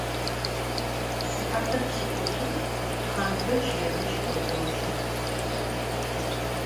Sıhatır pş'ık'ut'um Xhanbeç yadej khek'ojı.